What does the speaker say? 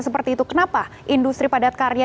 seperti itu kenapa industri padat karya